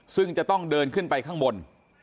ซึ่งจะต้องเดินขึ้นไปข้างบน